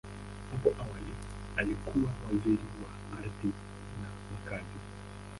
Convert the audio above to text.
Hapo awali, alikuwa Waziri wa Ardhi na Makazi.